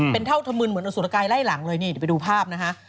เป็นเท่าธมืนเหมือนอสุรกายไล่หลังเลยนี่เดี๋ยวไปดูภาพนะฮะ